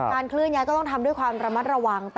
เคลื่อนย้ายก็ต้องทำด้วยความระมัดระวัง